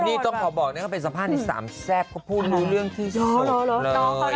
นี่ต้องขอบอกเป็นสภาพที่สามแซ่บเขาพูดรู้เรื่องที่สุดเลย